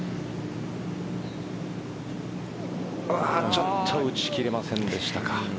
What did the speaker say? ちょっと打ち切れませんでしたか。